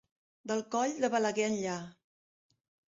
Del Coll de Balaguer enllà.